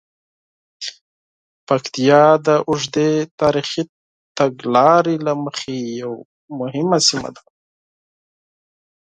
پکتیا د اوږدې تاریخي تګلارې له مخې یوه مهمه سیمه ده.